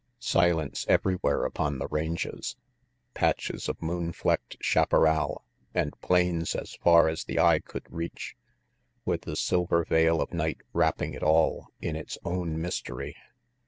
Silence everywhere upon the ranges; patches of moon flecked chaparral and plains as far as the eye could reach, with the silver veil of night wrapping it all in its own mystery.